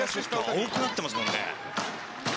多くなってますもんね。